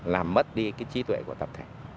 làm mất đi cái trí tuệ của tập thể